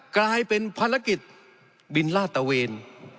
กลายเป็นภารกิจบินลาดตะเวน